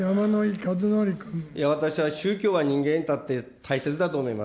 私は宗教は人間にとって大切だと思います。